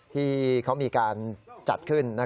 ที่เขามีการจัดขึ้น